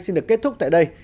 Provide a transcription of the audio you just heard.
xin được kết thúc tại đây